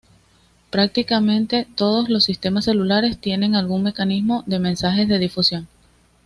Prácticamente todos los sistemas celulares tienen algún mecanismo de mensajes de difusión.